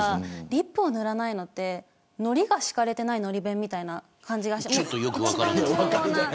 リップを塗らないのってのりが敷かれてないのり弁みたいな感じがして。